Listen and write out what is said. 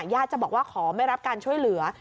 ญาติจะบอกว่าขอไม่รับการช่วยเหลือ